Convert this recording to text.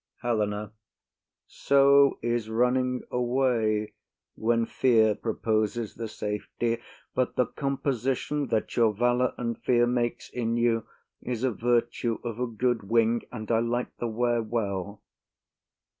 HELENA. So is running away, when fear proposes the safety: but the composition that your valour and fear makes in you is a virtue of a good wing, and I like the wear well.